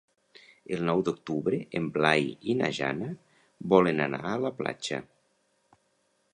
El nou d'octubre en Blai i na Jana volen anar a la platja.